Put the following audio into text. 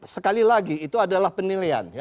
sekali lagi itu adalah penilaian